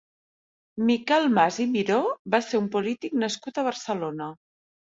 Miquel Mas i Miró va ser un polític nascut a Barcelona.